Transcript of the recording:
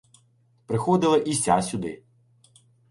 Приходила і ся сюди